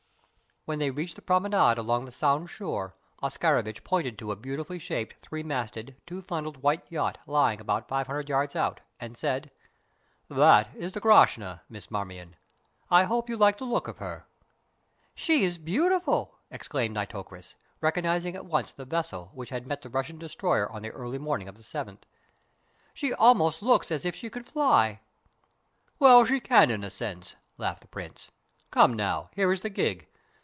When they reached the promenade along the Sound shore Oscarovitch pointed to a beautifully shaped, three masted, two funnelled white yacht lying about five hundred yards out, and said: "That is the Grashna, Miss Marmion. I hope you like the look of her." "She is beautiful!" exclaimed Nitocris, recognising at once the vessel which had met the Russian destroyer on the early morning of the 7th. "She almost looks as if she could fly." "So she can in a sense," laughed the Prince. "Come now, here is the gig.